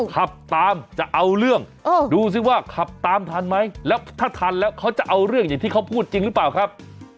ขับตามจะเอาเรื่องดูสิว่าขับตามทันไหมแล้วถ้าทันแล้วเขาจะเอาเรื่องอย่างที่เขาพูดจริงหรือเปล่าครับ